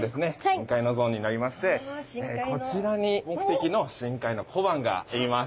深海のゾーンになりましてこちらに目的の深海の小判がいます。